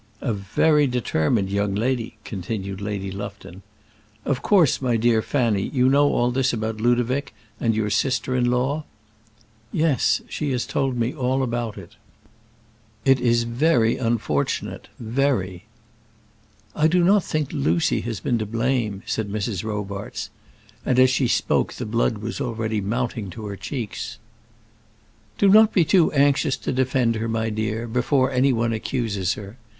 "A very determined young lady," continued Lady Lufton. "Of course, my dear Fanny, you know all this about Ludovic and your sister in law?" "Yes, she has told me about it." "It is very unfortunate very." "I do not think Lucy has been to blame," said Mrs. Robarts; and as she spoke the blood was already mounting to her cheeks. "Do not be too anxious to defend her, my dear, before any one accuses her.